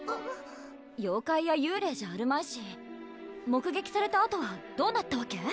妖怪や幽霊じゃあるまいし目撃されたあとはどうなったわけ？